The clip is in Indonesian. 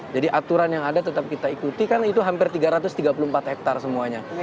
jadi aturan yang ada tetap kita ikuti kan itu hampir tiga ratus tiga puluh empat hektar semuanya